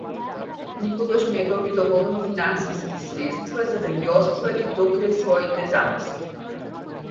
Никогаш не доби доволно финансиски средства за да ги оствари до крај своите замисли.